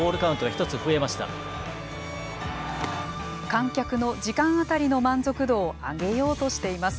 観客の時間当たりの満足度を上げようとしています。